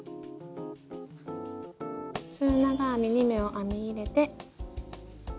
中長編み２目を編み入れて。